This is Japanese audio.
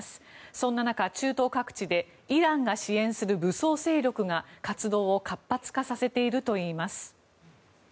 そんな中、中東各地でイランが支援する武装勢力が活動を活発化させているといいます。